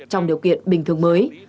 trong điều kiện bình thường mới